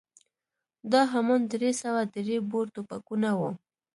دا همان درې سوه درې بور ټوپکونه وو.